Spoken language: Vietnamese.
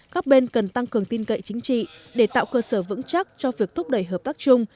các bên cần tăng cường tin cậy chính trị để tạo cơ sở vững chắc cho việc thúc đẩy hợp tác chung